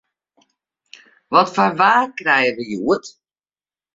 Wat foar waar krije we hjoed?